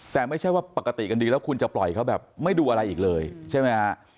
แต่ไม่ใช่ว่าปกติกันดีแล้วคุณจะปล่อยเขาแบบไม่ดูอะไรอีกเลยใช่ไหมฮะ